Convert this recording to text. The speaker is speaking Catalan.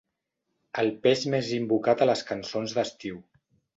El peix més invocat a les cançons d'estiu.